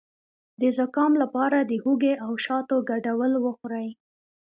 د زکام لپاره د هوږې او شاتو ګډول وخورئ